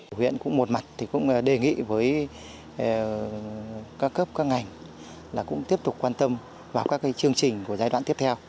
huyện cũng một mặt thì cũng đề nghị với các cấp các ngành là cũng tiếp tục quan tâm vào các chương trình của giai đoạn tiếp theo